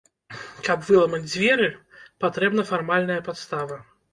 Каб выламаць дзверы, патрэбная фармальная падстава.